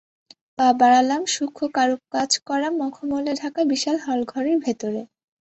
পা বাড়ালাম সূক্ষ্ম কারুকাজ করা মখমলে ঢাকা বিশাল হলঘরের ভেতরে।